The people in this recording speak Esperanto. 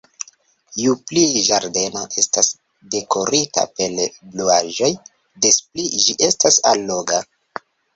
Ju pli ĝardeno estas dekorita per bluaĵoj, des pli ĝi estas alloga.